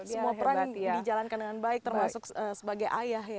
semua peran dijalankan dengan baik termasuk sebagai ayah ya